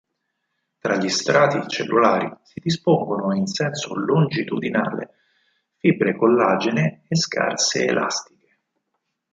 Tra gli strati cellulari si dispongono in senso longitudinale fibre collagene e scarse elastiche.